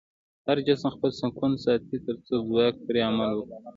هر جسم خپل سکون ساتي تر څو ځواک پرې عمل وکړي.